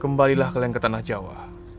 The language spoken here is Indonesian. kembalilah kalian ke tanah jawa